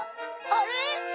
あれ？